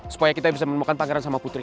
supaya kita bisa menemukan pangeran sama putri